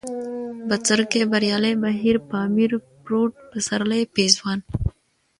بڅرکى ، بريالی ، بهير ، پامير ، پروټ ، پسرلی ، پېزوان